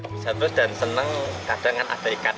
bisa terus dan senang kadang kan ada ikan